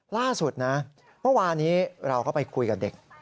ล่าสุดนะเมื่อวานี้เราก็ไปคุยกับเด็ก